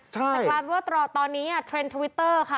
ใช่แต่คราวนี้ตอนนี้เทรนด์ทวิตเตอร์ค่ะ